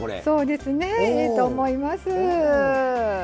そうですねええと思います。